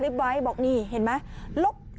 สุดยอดดีแล้วล่ะ